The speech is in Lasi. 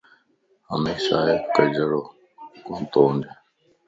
ھميشا ھر ڪو ھڪ جھڙوڪو توھونج